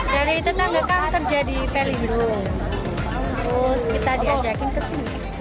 jadi tetangga kan terjadi pelindo terus kita diajakin ke sini